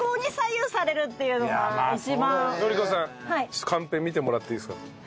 ちょっとカンペ見てもらっていいですか？